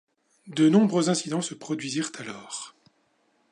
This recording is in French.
De nombreux incidents se produisirent alors.